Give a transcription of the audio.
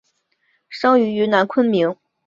生于云南昆明。